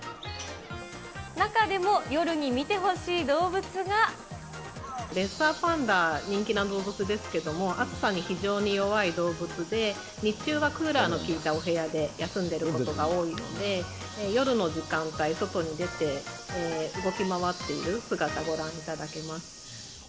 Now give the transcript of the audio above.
中でも、レッサーパンダ、人気の動物なんですけど、暑さに非常に弱い動物で、日中はクーラーの効いたお部屋で休んでいることが多いので、夜の時間帯、外に出て動き回っている姿、ご覧いただけます。